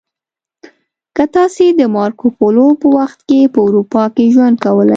که تاسې د مارکو پولو په وخت کې په اروپا کې ژوند کولی